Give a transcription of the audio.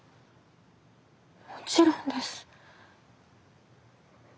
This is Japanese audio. もちろんです。